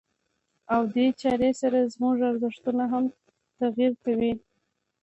او دې چارې سره زموږ ارزښتونه هم تغيير کوي.